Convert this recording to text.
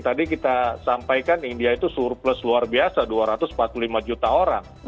tadi kita sampaikan india itu surplus luar biasa dua ratus empat puluh lima juta orang